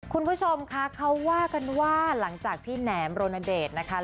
คุณผู้ชมคะเขาว่ากันว่าหลังจากพี่แหนมโรนเดชนะคะ